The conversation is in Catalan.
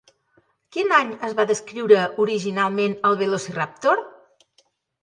Quin any es va descriure originalment el Velociraptor?